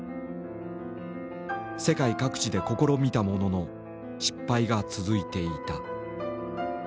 世界各地で試みたものの失敗が続いていた。